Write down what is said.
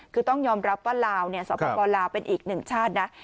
คือต้องยอมรับว่าลาวสปลาวเป็นอีกหนึ่งชาตินะ